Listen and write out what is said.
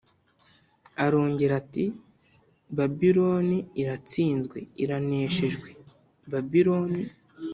Arongera ati «Babiloni iratsinzwe, iraneshejwe Babiloni,